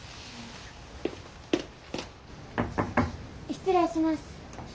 ・失礼します。